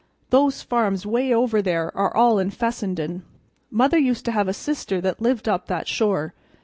Those farms 'way over there are all in Fessenden. Mother used to have a sister that lived up that shore.